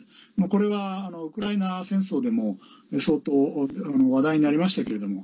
これは、ウクライナ戦争でも相当、話題になりましたけれども。